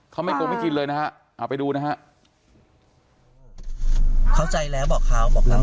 เขาโกรธไม่กินเลยนะฮะเอาไปดูนะฮะ